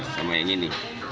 sama yang ini